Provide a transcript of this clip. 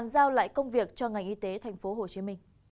giao lại công việc cho ngành y tế tp hcm